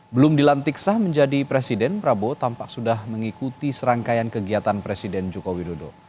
belum dilantik sah menjadi presiden prabowo tampak sudah mengikuti serangkaian kegiatan presiden joko widodo